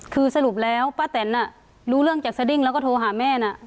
คือสรุปแล้วป้าแตนรู้เรื่องจากสดิ้งแล้วก็โทรหาแม่นะ